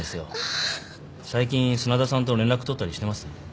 最近砂田さんと連絡取ったりしてます？